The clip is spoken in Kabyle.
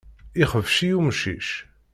Ixbec-iyi umcic.